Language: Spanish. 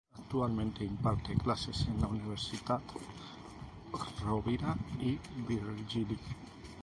Actualmente imparte clases en la Universitat Rovira i Virgili.